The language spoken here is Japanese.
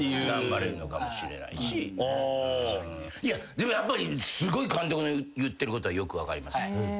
でもやっぱりすごい監督の言ってることはよく分かります。